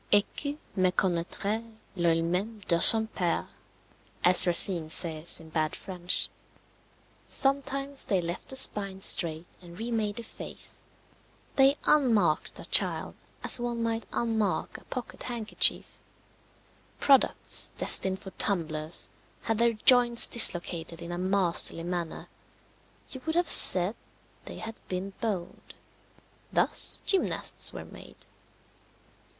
Et que méconnaîtrait l'oeil même de son père, as Racine says in bad French. Sometimes they left the spine straight and remade the face. They unmarked a child as one might unmark a pocket handkerchief. Products, destined for tumblers, had their joints dislocated in a masterly manner you would have said they had been boned. Thus gymnasts were made.